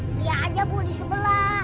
lihat aja bu di sebelah